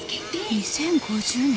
２０５０年。